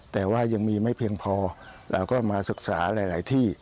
แต่ว่ายังมีไม่เพียงพอเราก็มาศึกษาหลายที่